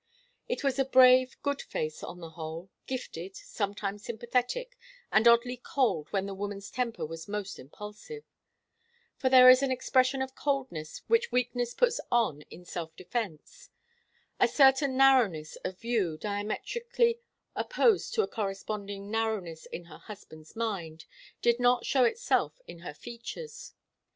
It was a brave, good face, on the whole, gifted, sometimes sympathetic, and oddly cold when the woman's temper was most impulsive. For there is an expression of coldness which weakness puts on in self defence. A certain narrowness of view, diametrically opposed to a corresponding narrowness in her husband's mind, did not show itself in her features.